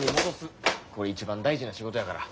これ一番大事な仕事やから。